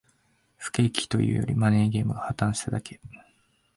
不景気というより、マネーゲームが破綻しただけ